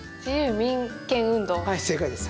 はい、正解です。